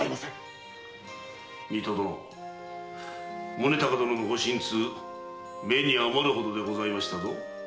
宗尭殿のご心痛目に余るほどでございましたぞ。